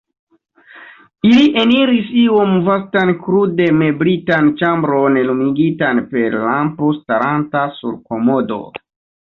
Ili eniris iom vastan, krude meblitan ĉambron, lumigitan per lampo staranta sur komodo.